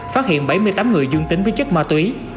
phát hiện bảy mươi tám người dương tính với chất ma túy